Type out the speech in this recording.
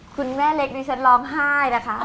คุณแม่เล็กดิฉันร้องไห้นะคะ